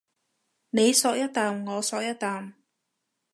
你嗦一啖我嗦一啖